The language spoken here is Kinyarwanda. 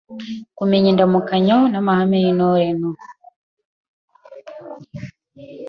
Kumenya indamukanyo n’amahame y’Intore no